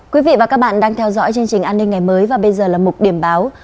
quý vị và các bạn đang theo dõi chương trình an ninh ngày mới và bây giờ là mục điểm báo